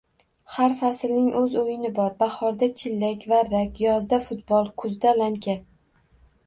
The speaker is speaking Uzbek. Har faslning o‘z o‘yini bor: bahorda chillak, varrak, yozda futbol, kuzda lanka...